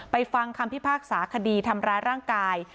ฟังคำพิพากษาคดีทำร้ายร่างกาย